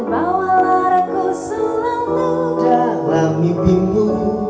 dan bawalah aku selalu dalam mimpimu